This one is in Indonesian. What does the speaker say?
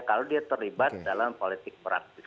kalau dia terlibat dalam politik praktis